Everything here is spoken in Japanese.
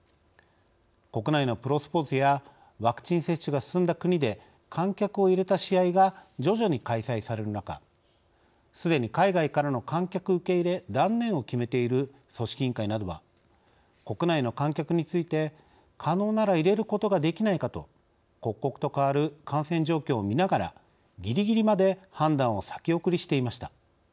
国内のプロスポーツやワクチン接種が進んだ国で観客を入れた試合が徐々に開催される中すでに海外からの観客受け入れ断念を決めている組織委員会などは国内の観客について可能なら入れることができないかと刻々と変わる感染状況を見ながらぎりぎりまで判断を先送りしていました。